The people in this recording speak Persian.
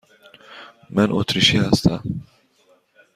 من اتریشی هستم.